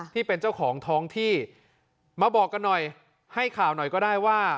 ที่เป็นเจ้าของท้องที่มาบอกกันหน่อยให้ข่าวหน่อยก็ได้ว่า